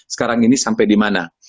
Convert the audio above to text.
sekarang ini sampai dimana